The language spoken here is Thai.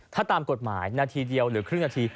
ถ้าตามกฎหมายนาทีเดียวหรือครึ่งนาที